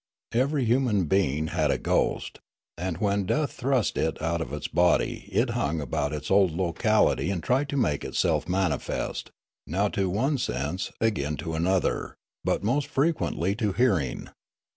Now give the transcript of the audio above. Every human being had a ghost, and when death thrust it out of its body it hung about its old locality and tried to make itself manifest, now to one sense, again to another, but most frequently to hearing.